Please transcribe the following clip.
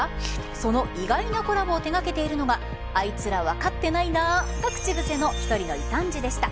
その意外なコラボを手掛けているのがあいつら、分かってないなが口癖の１人の異端児でした。